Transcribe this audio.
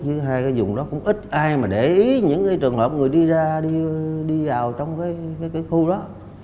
thứ hai cái dùng đó cũng ít ai mà để ý những cái trường hợp người đi ra đi vào trong cái khu đó